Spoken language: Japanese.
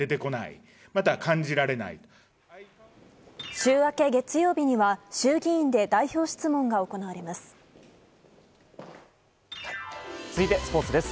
週明け月曜日には衆議院で代表質問が行われます。